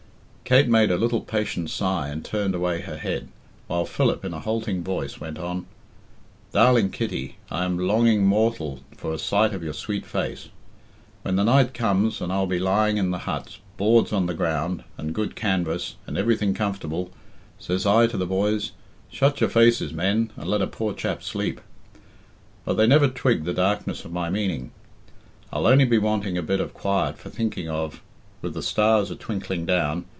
Kate made a little patient sigh and turned away her head, while Philip, in a halting voice, went on "Darling Kitty, I am longing mortal for a sight of your sweet face. When the night comes, and I'll be lying in the huts boards on the ground, and good canvas, and everything comfortable says I to the boys, 'Shut your faces, men, and let a poor chap sleep;' but they never twig the darkness of my meaning. I'll only be wanting a bit of quiet for thinking of.... with the stars atwinkling down....